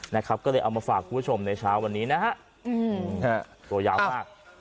นะครับก็เลยเอามาฝากคุณผู้ชมในเช้าวันนี้นะฮะตัวยาวมาก